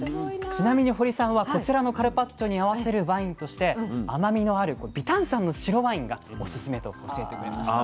ちなみに堀さんはこちらのカルパッチョに合わせるワインとして甘みのある微炭酸の白ワインがおすすめと教えてくれました。